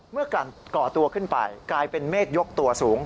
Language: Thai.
เมื่อการก่อตัวขึ้นไปกลายเป็นเมฆยกตัวสูง